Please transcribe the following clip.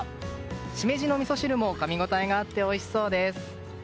シメジのみそ汁もかみ応えがあっておいしそうです。